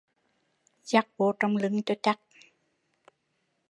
Chắc vô trong lưng cho chắc